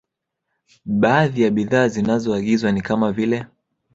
Baadhi ya bidhaa zinazoagizwa ni kama vile